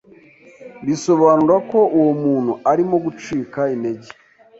bisobanura ko uwo muntu arimo gucika intege